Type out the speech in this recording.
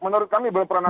menurut kami berperan aktif